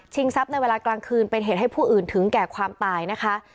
ทรัพย์ในเวลากลางคืนเป็นเหตุให้ผู้อื่นถึงแก่ความตายนะคะ